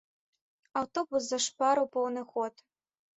Аўтобус зашпарыў поўны ход.